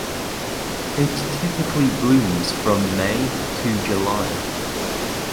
It typically blooms from May to July.